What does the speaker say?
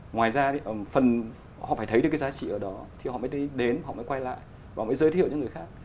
ngoài ra thì phần họ phải thấy được cái giá trị ở đó thì họ mới đến họ mới quay lại và mới giới thiệu cho người khác